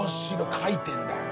描いてるんだよ。